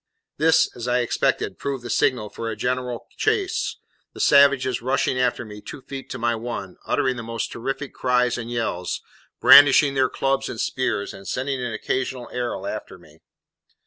This, as I expected, proved the signal for a general chase, the savages rushing after me two feet to my one, uttering the most terrific cries and yells, brandishing their clubs and spears, and sending an occasional arrow after me.